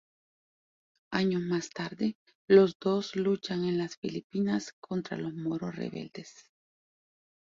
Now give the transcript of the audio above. Años más tarde, los dos luchan en las Filipinas contra los moros rebeldes.